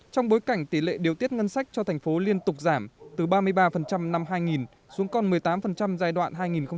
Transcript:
trong bối cảnh tỷ lệ điều tiết ngân sách cho thành phố liên tục giảm từ ba mươi ba năm hai nghìn xuống còn một mươi tám giai đoạn hai nghìn một mươi sáu hai nghìn hai mươi